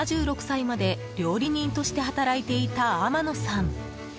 ７６歳まで料理人として働いていた天野さん。